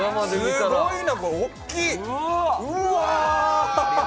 すごい、おっきい！